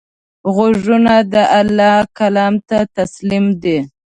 غوږونه د الله کلام ته تسلیم دي